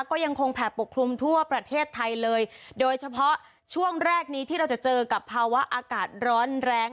ก็ยังคงแผ่ปกคลุมทั่วประเทศไทยเลยโดยเฉพาะช่วงแรกนี้ที่เราจะเจอกับภาวะอากาศร้อนแรง